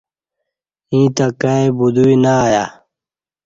ییں تہ کائی بودوئی نہ ایہ